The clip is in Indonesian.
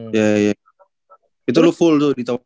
iya ya itu lo full tuh di top